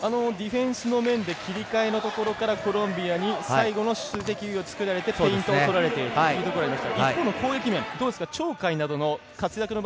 ディフェンスの面で切り替えのところからコロンビアに最後の数的優位を作られてフェイントをとられているというとコロンビアがありました。